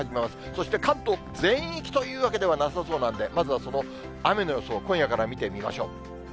そして関東全域というわけではなさそうなんで、まずはその雨の予想、今夜から見てみましょう。